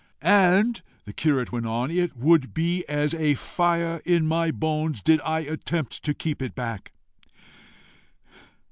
"And," the curate went on, "it would be as a fire in my bones did I attempt to keep it back.